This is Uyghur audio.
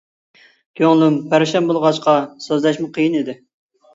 كۆڭلۈم پەرىشان بولغاچقا سۆزلەشمۇ قىيىن ئىدى.